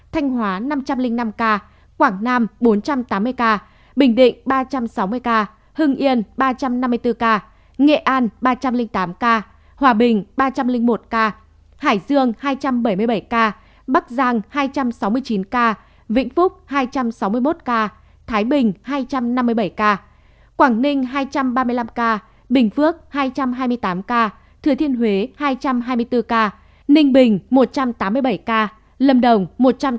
thanh hóa năm trăm linh năm ca quảng nam bốn trăm tám mươi ca bình định ba trăm sáu mươi ca hưng yên ba trăm năm mươi bốn ca nghệ an ba trăm linh tám ca hòa bình ba trăm linh một ca hải dương hai trăm bảy mươi bảy ca bắc giang hai trăm sáu mươi chín ca vĩnh phúc hai trăm sáu mươi một ca thái bình hai trăm năm mươi bảy ca quảng ninh hai trăm ba mươi năm ca bình phước hai trăm hai mươi tám ca thừa thiên huế hai trăm hai mươi bốn ca ninh bình một trăm tám mươi bảy ca lâm đồng một trăm năm mươi bảy ca